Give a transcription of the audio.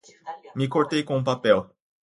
Me cortei com o papel